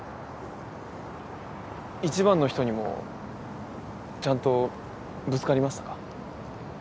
一番の人にもちゃんとぶつかりましたか？